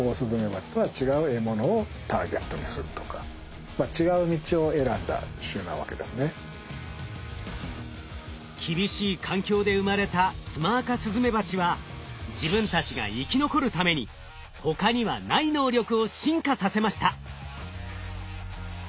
故郷の地っていうのは例えば厳しい環境で生まれたツマアカスズメバチは自分たちが生き残るために他にはない能力を進化させました。